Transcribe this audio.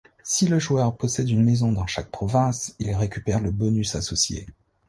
Si le joueur possède une maison dans chaque province, il récupère le bonus associés.